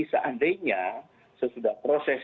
seandainya sesudah proses